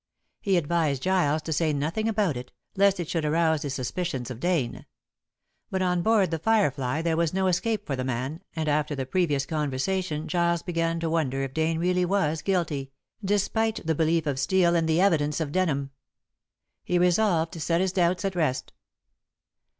He advised Giles to say nothing about it, lest it should arouse the suspicions of Dane. But on board The Firefly there was no escape for the man, and after the previous conversation Giles began to wonder if Dane really was guilty, despite the belief of Steel and the evidence of Denham. He resolved to set his doubts at rest.